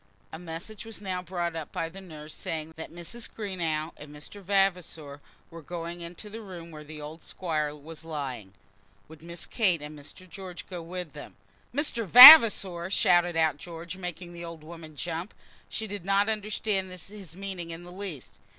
A message was now brought up by the nurse, saying that Mrs. Greenow and Mr. Vavasor were going into the room where the old Squire was lying, "Would Miss Kate and Mr. George go with them?" "Mr. Vavasor!" shouted out George, making the old woman jump. She did not understand his meaning in the least.